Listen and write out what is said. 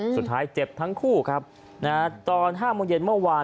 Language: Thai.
สุดท้ายเจ็บทั้งคู่ครับตอน๕โมงเย็นเมื่อวาน